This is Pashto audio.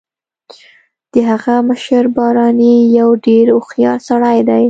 د هغه مشر بارني یو ډیر هوښیار سړی دی